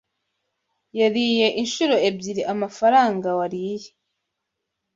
Yariye inshuro ebyiri amafaranga wariye.